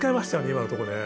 今のとこで。